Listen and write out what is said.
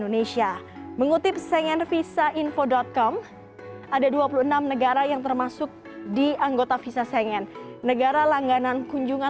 namun warga negara lainnya